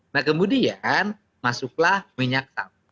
nah kemudian masuklah minyak sawit